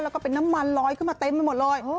แล้วก็เป็นน้ำมันลอยขึ้นมาเต็มไปหมดเลย